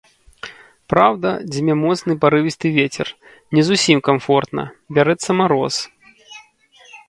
Праўда, дзьме моцны парывісты вецер, не зусім камфортна, бярэцца мароз.